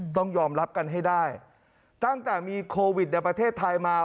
ต้องยอมรับกันให้ได้ตั้งแต่มีโควิดในประเทศไทยมา